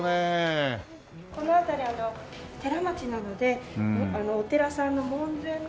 この辺り寺町なのでお寺さんの門前の和紙が。